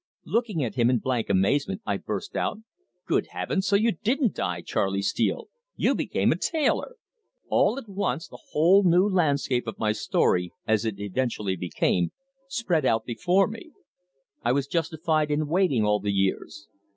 Looking at him in blank amazement, I burst out: "Good heavens, so you didn't die, Charley Steele! You became a tailor!" All at once the whole new landscape of my story as it eventually became, spread out before me. I was justified in waiting all the years.